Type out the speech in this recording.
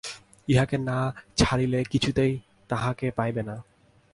ইহাকে না ছাড়িলে কিছুতেই তাঁহাকে পাইবে না।